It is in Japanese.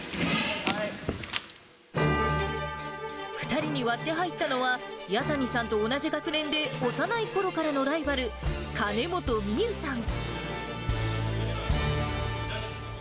２人に割って入ったのは、弥谷さんと同じ学年で幼いころからのライバル、１位、金本選手。